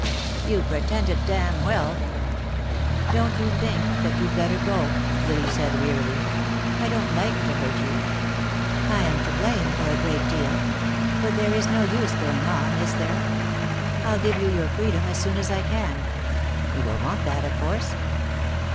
"You pretended damned well." "Don't you think you'd better go?" Lily said wearily. "I don't like to hurt you. I am to blame for a great deal. But there is no use going on, is there? I'll give you your freedom as soon as I can. You will want that, of course."